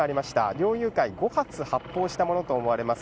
猟友会、５発発砲したものと思われます。